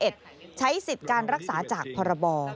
ใช้สิทธิ์การรักษาจากพรบ